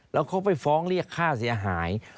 แล้วเขาไปฟ้องเรียกค่าเสียหาย